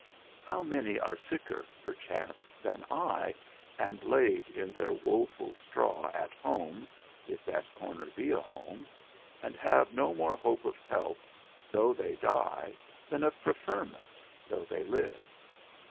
How many are sicker (perchance) than I, and laid in their woful straw at home (if that corner be a home), and have no more hope of help, though they die, than of preferment, though they live!